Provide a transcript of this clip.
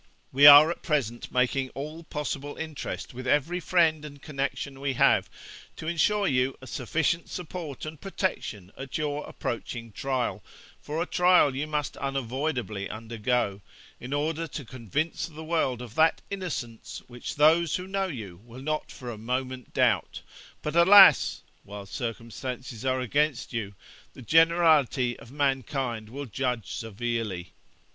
'We are at present making all possible interest with every friend and connexion we have, to ensure you a sufficient support and protection at your approaching trial; for a trial you must unavoidably undergo, in order to convince the world of that innocence, which those who know you will not for a moment doubt; but, alas! while circumstances are against you, the generality of mankind will judge severely.